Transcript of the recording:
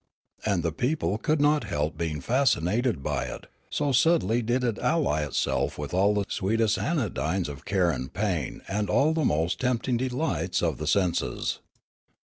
And the people could not help being fas cinated by it, so subtly did it ally itself with all the sweetest anodynes of care and pain and all the most tempting delights of the senses.